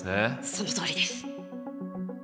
そのとおりです。